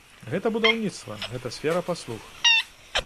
Гэта будаўніцтва, гэта сфера паслуг.